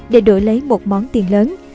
để đổi lấy một món tiền lớn